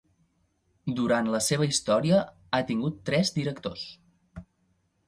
Durant la seva història ha tingut tres directors.